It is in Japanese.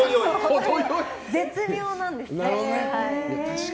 絶妙なんですって。